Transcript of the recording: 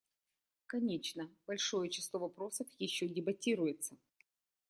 Конечно, большое число вопросов еще дебатируется.